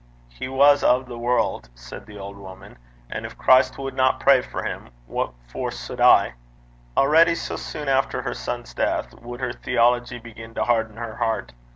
'He was o' the world,' said the old woman; 'and gin Christ wadna pray for him, what for suld I?' Already, so soon after her son's death, would her theology begin to harden her heart.